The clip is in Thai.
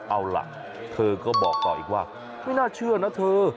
เอาล่ะเธอก็บอกต่ออีกว่าไม่น่าเชื่อนะเธอ